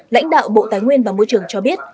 lãnh đạo bộ tài nguyên và môi trường cho biết